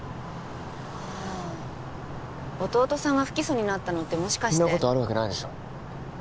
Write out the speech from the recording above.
ああ弟さんが不起訴になったのってもしかしてそんなことあるわけないでしょ